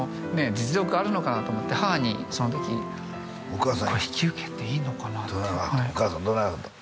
実力あるのかなと思って母にその時これ引き受けていいのかなってお母さんどない言わはったん？